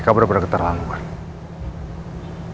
tetap massa memperattach tentara untuk menyuruh untuk kencan